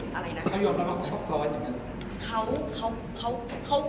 เขายอมมามาคุยชอบครอบครอบอย่างนั้น